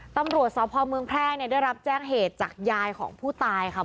ตำรวจสพเมืองแพร่เนี่ยได้รับแจ้งเหตุจากยายของผู้ตายค่ะ